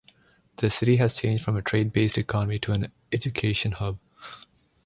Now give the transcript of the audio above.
The city has changed from a trade-based economy to an education hub.